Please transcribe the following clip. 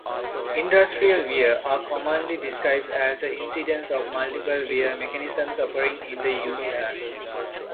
"Industrial Wear" are commonly described as incidence of multiple wear mechanisms occurring in unison.